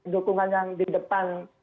dukungan yang di depan